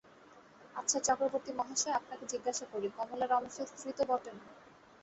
আচ্ছা চক্রবর্তীমহাশয়, আপনাকে জিঞ্চাসা করি, কমলা রমেশের স্ত্রী তো বটেন?